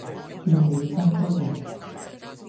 變了眞的人。